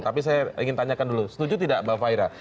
tapi saya ingin tanyakan dulu setuju tidak mbak faira